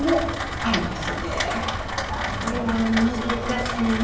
あっこれは難しいね。